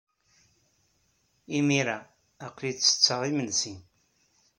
Imir-a, aql-iyi ttetteɣ imensi.